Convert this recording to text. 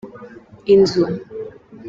inzu.